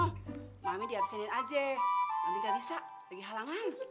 mami diabsenin aja mami gak bisa lagi halangan